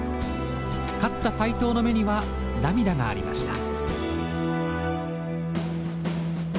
勝った斎藤の目には涙がありました。